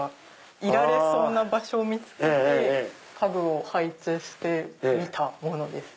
いられそうな場所を見つけて家具を配置してみたものです。